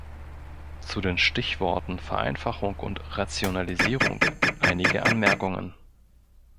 Zu den Stichworten Vereinfachung und Rationalisierung einige Anmerkungen.